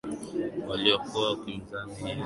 waliokuwa ukimbizini ili kukivamia kisiwa hicho